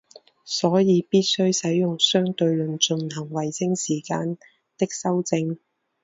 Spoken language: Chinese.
所以必须使用相对论进行卫星时间的修正。